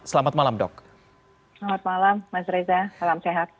selamat malam mas reza salam sehat